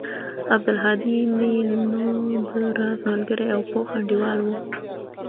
عبدالهادى مې نو د راز ملگرى او پوخ انډيوال و.